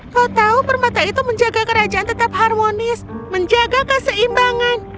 kau tahu permata itu menjaga kerajaan tetap harmonis menjaga keseimbangan